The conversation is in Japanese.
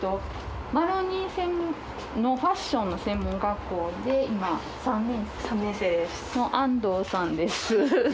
ファッションの専門学校で今３年生の安藤さんです。